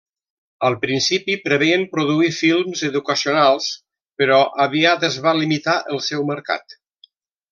Al principi preveien produir films educacionals però aviat es va limitar el seu mercat.